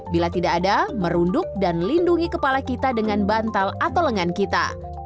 bila tidak ada merunduk dan lindungi kepala kita dengan bantal atau lengan kita